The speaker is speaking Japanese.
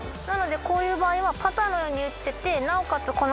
なのでこういう場合はパターのように打ててなおかつ